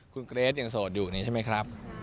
คุณเกรทยังโสดอยู่นี่ใช่ไหมครับ